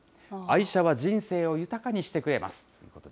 愛車は人生を豊かにしてくれます。